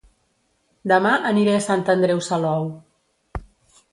Dema aniré a Sant Andreu Salou